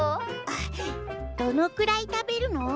あどのくらい食べるの？